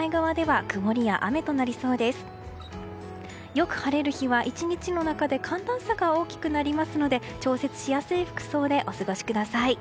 よく晴れる日は、１日の中で寒暖差が大きくなりますので調節しやすい服装でお過ごしください。